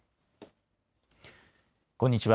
こんにちは。